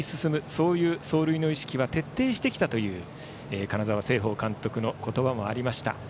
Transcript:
そういう走塁の意識は徹底してきたという金沢成奉監督の言葉もありました。